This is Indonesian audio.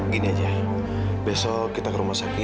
gini aja besok kita ke rumah sakit